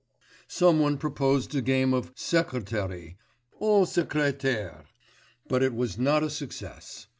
Some one proposed a game of 'secretary,' au secrétaire; but it was not a success.